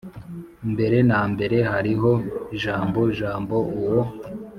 Mbere na mbere hariho Jambo Jambo uwo